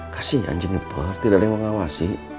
kasih anjani per tidak ada yang mengawasi